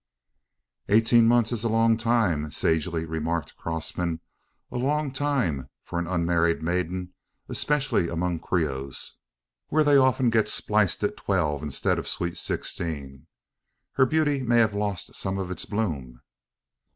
"Eighteen months is a long time," sagely remarked Crossman "a long time for an unmarried maiden especially among Creoles, where they often get spliced at twelve, instead of `sweet sixteen.' Her beauty may have lost some of its bloom?"